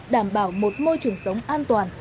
đảm bảo một môi trường sống an toàn